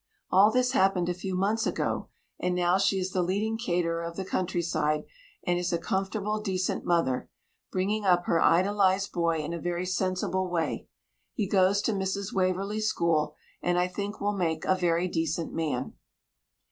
All this happened a few months ago, and now she is the leading caterer of the countryside, and is a comfortable, decent mother, bringing up her idolised boy in a very sensible way. He goes to Mrs. Waverlee's school, and I think will make a very decent man.